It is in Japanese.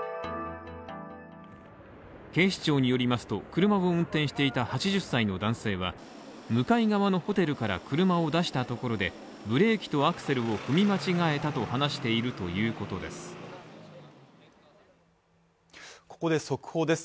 警視庁によりますと、車を運転していた８０歳の男性は、向かい側のホテルから車を出したところで、ブレーキとアクセルを踏み間違えたと話しているということです。